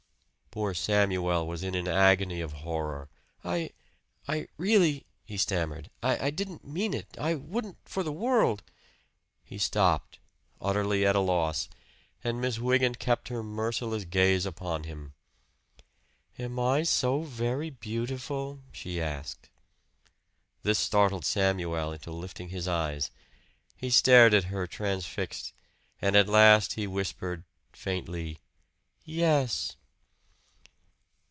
Poor Samuel was in an agony of horror. "I I really " he stammered. "I didn't mean it I wouldn't for the world " He stopped, utterly at a loss; and Miss Wygant kept her merciless gaze upon him. "Am I so very beautiful?" she asked. This startled Samuel into lifting his eyes. He stared at her, transfixed; and at last he whispered, faintly, "Yes."